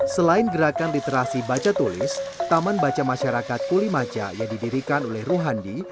selain gerakan literasi baca tulis taman baca masyarakat kulimaca yang didirikan oleh ruhandi